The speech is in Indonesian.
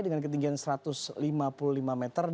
dengan ketinggian satu ratus lima puluh lima meter